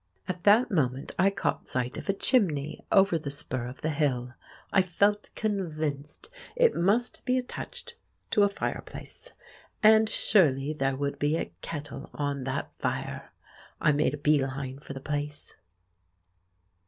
At that moment I caught sight of a chimney over the spur of the hill. I felt convinced it must be attached to a fireplace, and surely there would be a kettle on that fire. I made a bee line for the place.